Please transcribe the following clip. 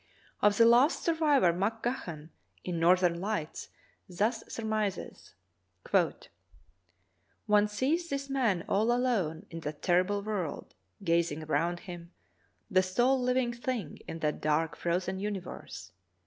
Of the last survivor, MacGahan, in Northern Lights," thus surmises: "One sees this man all alone in that terrible world, gazing around him, the sole living thing in that dark, frozen universe.